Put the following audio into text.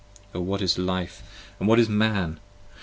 O what is Life & what is Man?